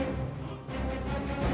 perkataanmu sudah terserah